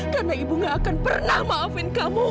karena ibu gak akan pernah maafin kamu